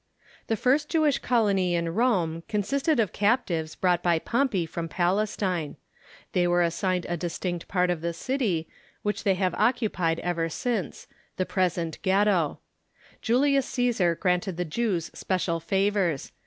The first Jewish colony in Rome consisted of captives brought by Pompey from Palestine. They AS'ere assigned a distinct part of the cit}", Avhich they have occu jned ever since — the present Ghetto. Julius Cfesar granted the Jews special favors.